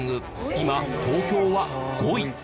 今東京は５位。